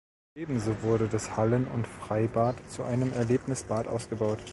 Ebenso wurde das Hallen- und Freibad zu einem Erlebnisbad ausgebaut.